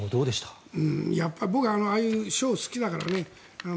やっぱり僕はああいうショーが好きだからね。